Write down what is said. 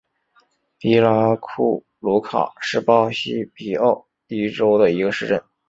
皮拉库鲁卡是巴西皮奥伊州的一个市镇。